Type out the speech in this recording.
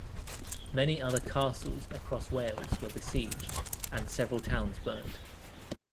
Many other castles across Wales were besieged and several towns burnt.